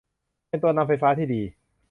เป็นตัวนำไฟฟ้าที่ดี